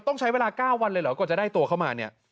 ต้องใช้เวลา๙วันเลยเหรอกว่าจะได้ตัวเข้ามาเนี่ย